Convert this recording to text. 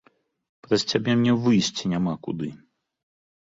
Праз цябе мне выйсці няма куды!